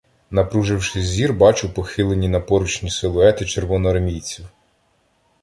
Напруживши зір, бачу похилені на поручні силуети червоноармійців.